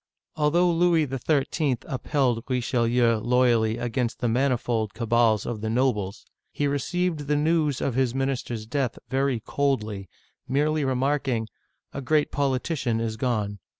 Although Louis XIII. upheld Richelieu loyally against the manifold cabals of the nobles, he received the news of his minister's death very coldly, merely remarking, "A great politi cian is gone."